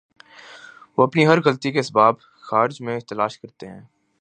وہ اپنی ہر غلطی کے اسباب خارج میں تلاش کرتے ہیں۔